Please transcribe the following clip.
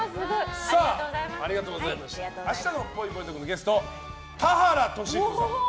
明日のぽいぽいトークのゲスト田原俊彦さん